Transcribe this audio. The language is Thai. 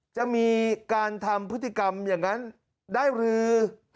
จะมีการทำพฤติกรรมอย่างนั้นได้หรือ